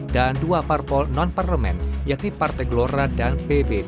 dan dua parpol non parlemen yakni partai glorat dan pbb